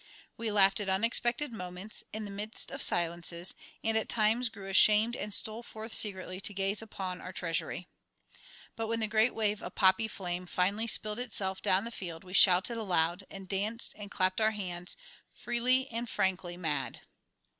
We laughed at unexpected moments, in the midst of silences, and at times grew ashamed and stole forth secretly to gaze upon our treasury. But when the great wave of poppy flame finally spilled itself down the field, we shouted aloud, and danced, and clapped our hands, freely and frankly mad.